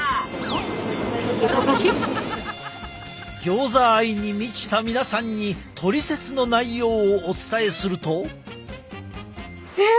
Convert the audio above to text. ギョーザ愛に満ちた皆さんにトリセツの内容をお伝えすると。